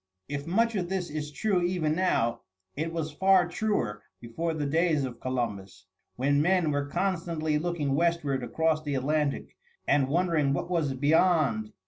If much of this is true even now, it was far truer before the days of Columbus, when men were constantly looking westward across the Atlantic, and wondering what was beyond.